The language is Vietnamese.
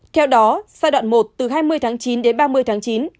theo đó giai đoạn một từ hai mươi tháng chín đến ba mươi tháng chín